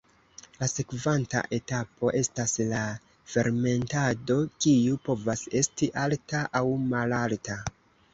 La sekvanta etapo estas la fermentado kiu povas esti alta aŭ malalta.